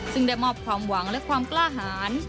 ซึ่งได้มอบความหวังและความกล้าหาร